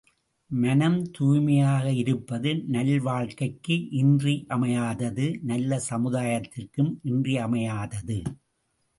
மனம் தூய்மையாக இருப்பது நல்வாழ்க்கைக்கு இன்றியமையாதது நல்ல சமுதாயத்திற்கும் இன்றியமையாதது.